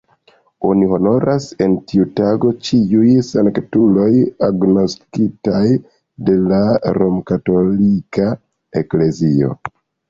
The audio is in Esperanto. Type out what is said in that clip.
Oni honoras en tiu tago ĉiuj sanktuloj agnoskitaj de la romkatolika eklezio.